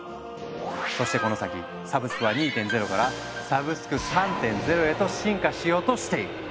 そしてこの先サブスクは２．０から「サブスク３．０」へと進化しようとしている。